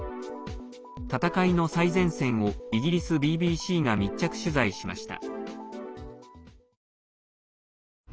戦いの最前線をイギリスＢＢＣが密着取材しました。